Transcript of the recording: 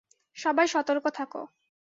সবাই সতর্ক থাক।